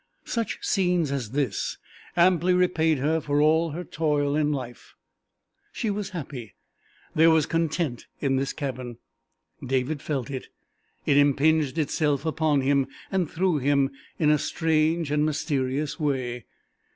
Such scenes as this amply repaid her for all her toil in life. She was happy. There was content in this cabin. David felt it. It impinged itself upon him, and through him, in a strange and mysterious way.